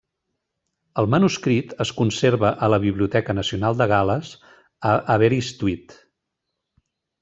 El manuscrit es conserva a la Biblioteca Nacional de Gal·les, a Aberystwyth.